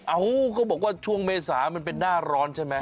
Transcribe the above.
เขาบอกว่าช่วงเมษามันเป็นหน้าร้อนใช่ไหม